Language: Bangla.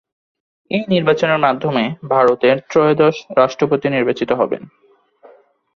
এই নির্বাচনের মাধ্যমে ভারতের ত্রয়োদশ রাষ্ট্রপতি নির্বাচিত হবেন।